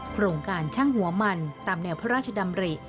โครงการช่างหัวมันตามแนวพระราชดำริ